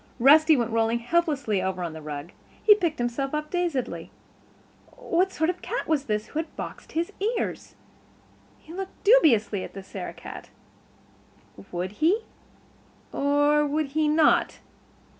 Rusty went rolling helplessly over on the rug; he picked himself up dazedly. What sort of a cat was this who had boxed his ears? He looked dubiously at the Sarah cat. Would he or would he not?